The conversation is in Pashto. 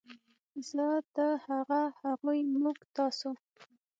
زۀ ، تۀ ، هغه ، هغوی ، موږ ، تاسو